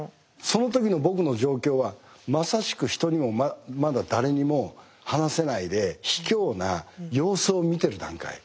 その時の僕の状況はまさしく人にもまだ誰にも話せないでひきょうな様子を見てる段階。